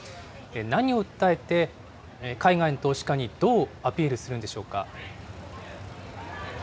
何を訴えて、海外の投資家にどうアピールするんでしょうか。